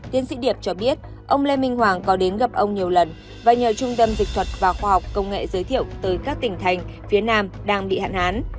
tiến sĩ điệp cho biết ông lê minh hoàng có đến gặp ông nhiều lần và nhờ trung tâm dịch thuật và khoa học công nghệ giới thiệu tới các tỉnh thành phía nam đang bị hạn hán